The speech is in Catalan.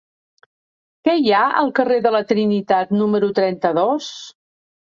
Què hi ha al carrer de la Trinitat número trenta-dos?